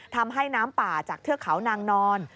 ทำให้น้ำป่าจากเทือกเขานางนอน